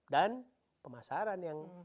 dan pemasaran yang